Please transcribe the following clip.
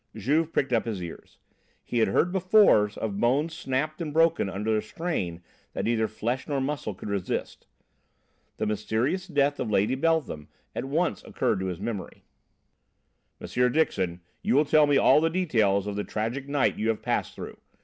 Juve pricked up his ears. He had heard before of bones snapped and broken under a strain that neither flesh nor muscle could resist. The mysterious death of Lady Beltham at once occurred to his memory. "Mr. Dixon, you will tell me all the details of the tragic night you have passed through.